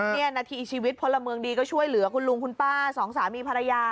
นี่นาทีชีวิตพลเมืองดีก็ช่วยเหลือคุณลุงคุณป้าสองสามีภรรยา